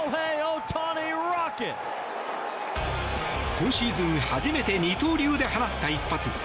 今シーズン初めて二刀流デーに放った一発。